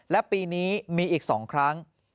และปีนี้มีอีก๒ครั้ง